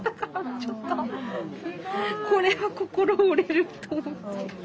ちょっとこれは心折れると思って。